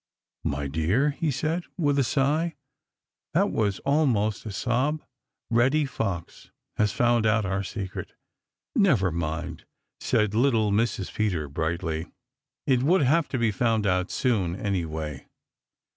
"My dear," he said, with a sigh that was almost a sob, "Reddy Fox has found out our secret." "Never mind," said little Mrs. Peter brightly. "It would have to be found out soon, anyway."